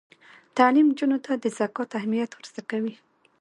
تعلیم نجونو ته د زکات اهمیت ور زده کوي.